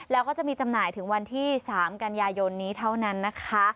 แล้วก็จะมีจำหน่ายถึงวันที่๓กันยายนนี้เท่านั้นนะคะ